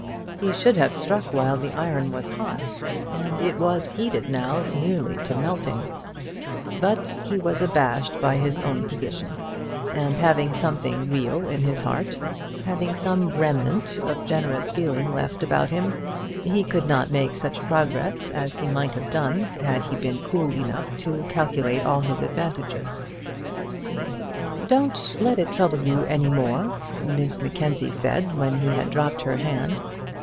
He should have struck while the iron was hot, and it was heated now nearly to melting; but he was abashed by his own position, and having something real in his heart, having some remnant of generous feeling left about him, he could not make such progress as he might have done had he been cool enough to calculate all his advantages. "Don't let it trouble you any more," Miss Mackenzie said, when he had dropped her hand.